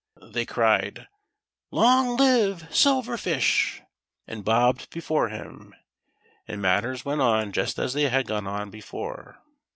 They cried :" Long live Silver Fish !" and bobbed before him ; and matters went on just as they had gone on before.